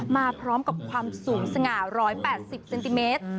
มาพร้อมกับความสูงสง่า๑๘๐เซนติเมตร